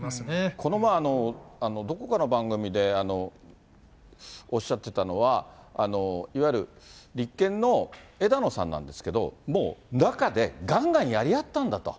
この前、どこかの番組でおっしゃってたのは、いわゆる立憲の枝野さんなんですけど、もう中でがんがんやり合ったんだと。